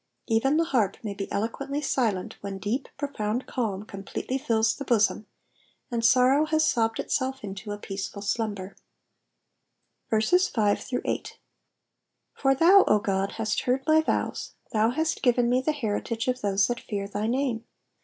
Even the harp may be eloquently silent when deep, profound calm completely fills the bosom, and sorrow has sobbed itself into a {>eaceful slumber. 5 For thou, O God, hast heard my vows : thou hast given nu the heritage of those that fear thy name.